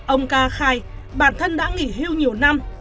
ông ca khai bản thân đã nghỉ hưu nhiều năm